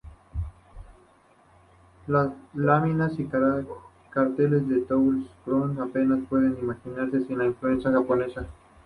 Las láminas y carteles de Toulouse-Lautrec apenas pueden imaginarse sin la influencia japonesa.